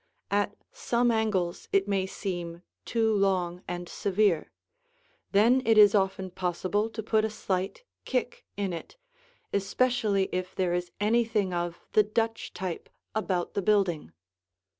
At some angles it may seem too long and severe; then it is often possible to put a slight "kick" in it, especially if there is anything of the Dutch type about the building.